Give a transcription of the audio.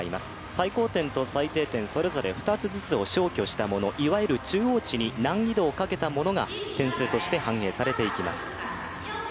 最高点と最低点それぞれ２つずつを消去したもの、いわゆる中央値に難易度をかけたものが点数として反映されていきます。